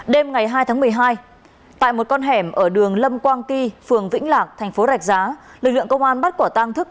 đêm hai tháng một mươi hai tại một con hẻm ở đường lâm quang ky phường vĩnh lạc tp rạch giá lực lượng công an bắt quả tăng thức